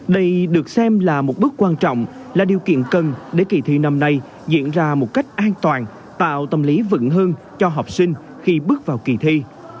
đây được xem là một bước quan trọng là điều kiện cần để kỳ thi năm nay diễn ra một cách an toàn tạo tâm lý vững hơn cho học sinh khi bước vào kỳ thi